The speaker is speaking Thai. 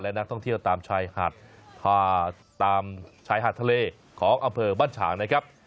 และนักท่องเที่ยวตามชายหัดทะเลของอำเภอบ้านฉากนะครับ